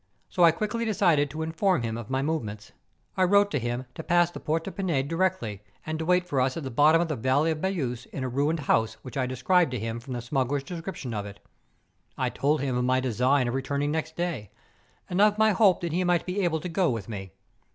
So I quickly decided to inform him of my movements. I wrote to him to pass the Port de Pinede directly, and to wait for us at the bottom of the valley of Beousse in a ruined house which I described to him from the smuggler's description of it. I told him of my design of re¬ turning next day, and of my hope that he might be able to go with me.